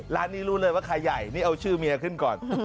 ร้านนี้รู้เลยว่าใครใหญ่นี่เอาชื่อเมียขึ้นก่อน